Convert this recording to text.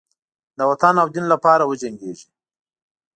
د وطن او دین لپاره وجنګیږي.